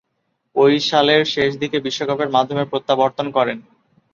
ঐ সালের শেষদিকে বিশ্বকাপের মাধ্যমে প্রত্যাবর্তন করেন।